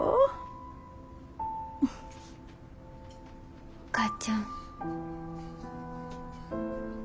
お母ちゃん。